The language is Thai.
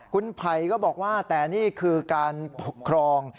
คุณไผ่ก็บอกว่าแต่นี่คือการปกครอง